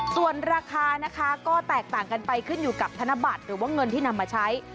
ส่วนราคานะคะก็แตกต่างกันไปขึ้นอยู่กับธนบัตรหรือว่าเงินที่นำมาใช้